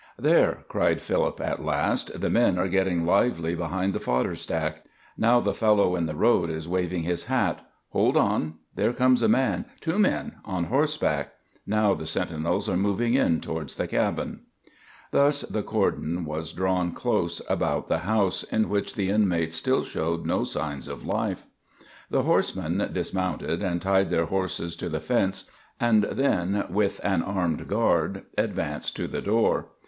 "There!" cried Philip, at last, "the men are getting lively behind the fodder stack. Now the fellow in the road is waving his hat. Hold on! There comes a man two men on horseback. Now the sentinels are moving in toward the cabin." Thus the cordon was drawn close about the house, in which the inmates still showed no signs of life. The horsemen dismounted and tied their horses to the fence, and then, with an armed guard, advanced to the door.